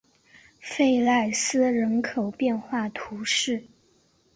弗赖斯人口变化图示